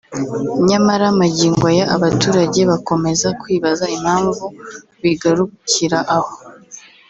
nyamara magingo aya abaturage bakomeza kwibaza impamvu bigarukira aho